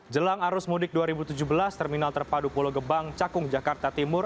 jelang arus mudik dua ribu tujuh belas terminal terpadu pulau gebang cakung jakarta timur